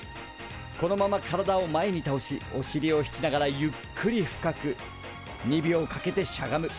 このまま体を前にたおしおしりを引きながらゆっくり深く２秒かけてしゃがむ。